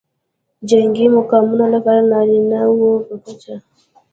د جنګي مقامونو لپاره د نارینه وو په کچه